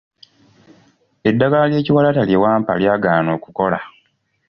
Eddagala ly’ekiwalaata lye wampa lyagaana okukola.